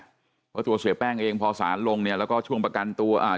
เพราะว่าตัวเสียแป้งเองพอสารลงเนี่ยแล้วก็ช่วงประกันตัวอ่า